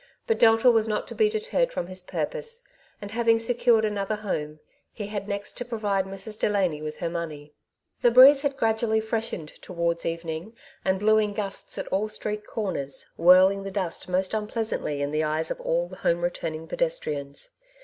But Delta was not to be deterred from his purpose, and having secured another home, he had next to provide Mrs. Delany with her money. The breeze had gradually freshened towards evening, and blew in gusts at all , street comers, whirling the dust most unpleasantly in the eyes of all home returning pedestrians.